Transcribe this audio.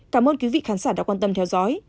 cảm ơn quý vị khán giả đã quan tâm theo dõi